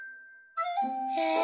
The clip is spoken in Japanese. へえ！